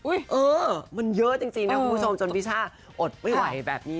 เออมันเยอะจริงนะคุณผู้ชมจนพี่ช่าอดไม่ไหวแบบนี้